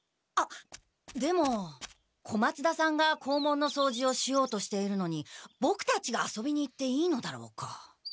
あっでも小松田さんが校門のそうじをしようとしているのにボクたちが遊びに行っていいのだろうか。